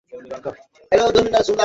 এখন এখানে থাকাটা আমাদের জন্য নিরাপদ নয়।